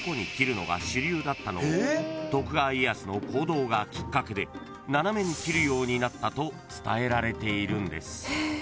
［徳川家康の行動がきっかけで斜めに切るようになったと伝えられているんです］